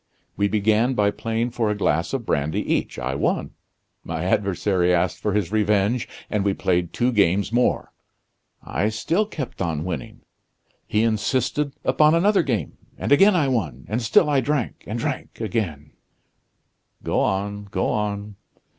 We began by playing for a glass of brandy each. I won. My adversary asked for his revenge, and we played two games more. I still kept on winning. He insisted upon another game, and again I won, and still I drank and drank again " "Go on, go on."